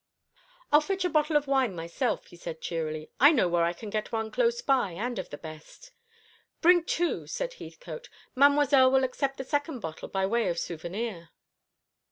"I'll fetch a bottle of wine myself," he said cheerily; "I know where I can get one close by, and of the best." "Bring two," said Heathcote. "Mademoiselle will accept the second bottle by way of souvenir."